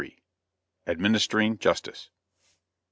ADMINISTERING JUSTICE.